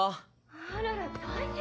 ・あらら大変！